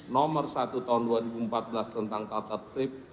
nomor satu tahun dua ribu empat belas tentang tata trip